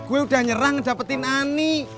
gue udah nyerang dapetin ani